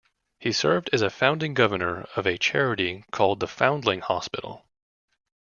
He served as a founding governor of a charity called the Foundling Hospital.